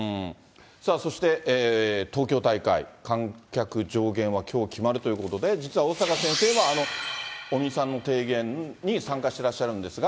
そして東京大会、観客上限はきょう決まるということで、実は小坂先生も、尾身さんの提言に参加してらっしゃるんですが。